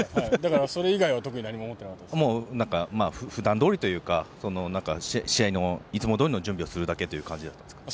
それ以外は普段どおりというか試合のいつもどおりの準備をするだけという感じだったんですか？